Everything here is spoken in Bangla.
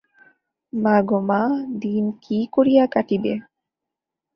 মা গো মা দিন কি করিয়া কাটিবে!